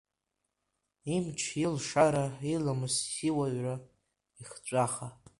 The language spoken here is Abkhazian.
Имч, илшара, иламыс, иуаҩра, ихҵәаха…